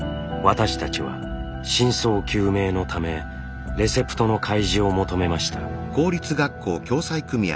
私たちは真相究明のためレセプトの開示を求めました。